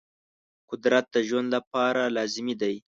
قدرت د ژوند لپاره لازمي دی.